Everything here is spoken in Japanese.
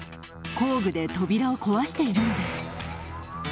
工具で扉を壊しているのです。